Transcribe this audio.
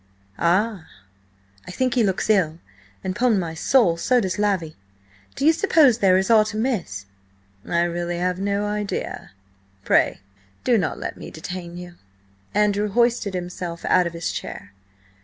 "Ah!" "I think he looks ill, an' 'pon my soul, so does Lavvy! Do you suppose there is aught amiss?" "I really have no idea. Pray do not let me detain you." Andrew hoisted himself out of his chair.